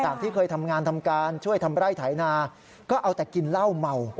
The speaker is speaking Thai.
ที่เคยทำงานทำการช่วยทำไร่ไถนาก็เอาแต่กินเหล้าเมา